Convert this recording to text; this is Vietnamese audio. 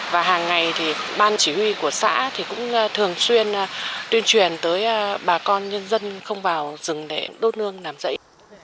và hàng ngày thì ban chỉ huy của xã thì cũng thường xuyên tuyên truyền tới bà con nhân dân không vào rừng để đốt nương làm rẫy